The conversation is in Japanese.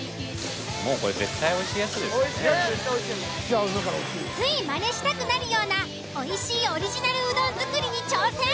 もうこれついまねしたくなるようなおいしいオリジナルうどん作りに挑戦。